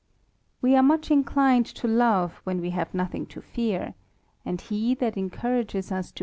AVe are most inclined to love when we E ngtbing l o fear, and he tha t encourages ug __tQ.